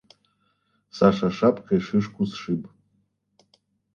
Саша шапкой шишку сшиб.